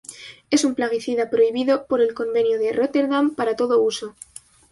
Es un plaguicida prohibido, por el Convenio de Róterdam, para todo uso.